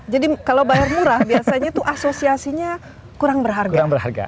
jadi kalau bayar murah biasanya itu asosiasinya kurang berharga